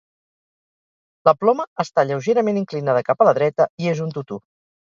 La ploma està lleugerament inclinada cap a la dreta i és un tutú.